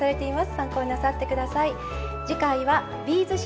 参考になさって下さい。